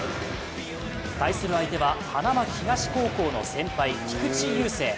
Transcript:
対する相手は花巻東高校の先輩・菊池雄星。